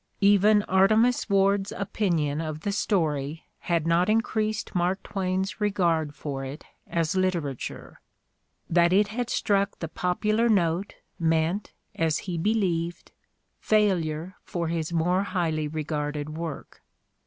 Even Artemus "Ward's opinion of the story had not increased Mark Twain's regard for it as literature. That it had struck the popular note meant, as he believed, failure for his more highly regarded work.